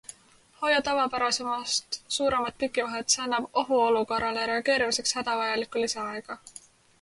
Hoia tavapärasemast suuremat pikivahet, see annab ohuolukorrale reageerimiseks hädavajalikku lisaaega.